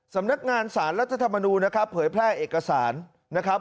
สำนักงานสารรัฐธรรมนูลนะครับเผยแพร่เอกสารนะครับ